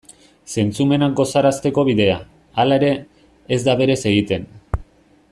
Zentzumenak gozarazteko bidea, halere, ez da berez egiten.